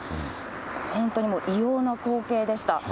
本当にもう異様な光景でした。